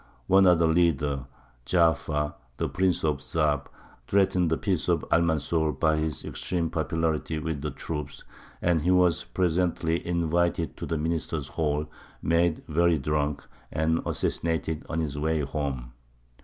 One other leader, Ja'far, the Prince of Zāb, threatened the peace of Almanzor by his extreme popularity with the troops; and he was presently invited to the minister's hall, made very drunk, and assassinated on his way home.